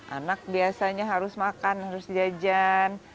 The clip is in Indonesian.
anak biasanya harus makan harus jajan